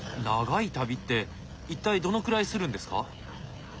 長い旅って一体どのくらいするんですか？